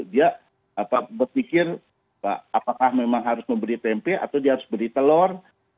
dia berpikir apakah memang harus memberi tempe atau dia harus beri telur